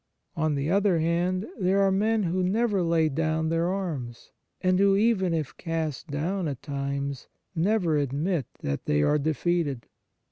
On the other hand, there are men who never lay down their arms, and who, even if cast down at times, never admit that they are defeated.